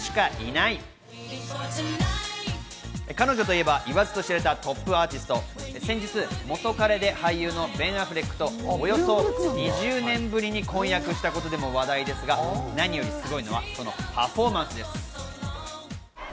彼女といえば言わずと知れたトップアーティスト、先日、元彼で俳優のベン・アフレックとおよそ２０年ぶりに婚約したことでも話題ですが、何よりすごいのはこのパフォーマンスです。